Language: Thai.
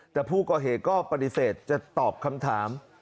แต่ผู้ก่อเหตุก็ปฏิเสธจะตอบคำถาม